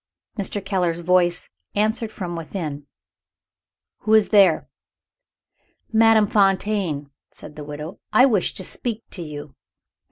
Mr. Keller's voice answered from within, "Who is there?" "Madame Fontaine," said the widow. "I wish to speak to you."